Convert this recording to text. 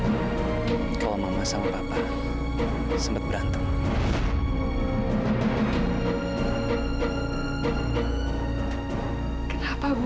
pertengkaran pak zainal sama almarhum istrinya pasti gara gara masa lalunya pak zainal